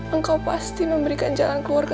engkau pasti memberikan jalan keluar